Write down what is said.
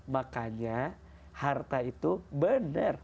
makanya harta itu bener